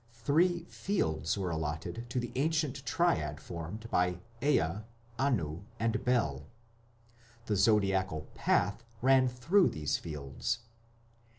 Three "fields" were allotted to the ancient triad formed by Ea, Anu, and Bel. The zodiacal "path" ran through these "fields".